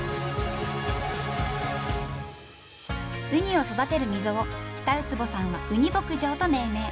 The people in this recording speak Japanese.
ウニを育てる溝を下苧坪さんはうに牧場と命名。